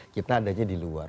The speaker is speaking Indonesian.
kita adanya di luar